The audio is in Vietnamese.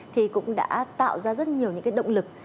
thì cũng đã tạo ra rất nhiều những cái động lực